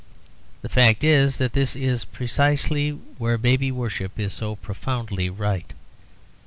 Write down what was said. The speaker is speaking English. The fact is that this is precisely where baby worship is so profoundly right.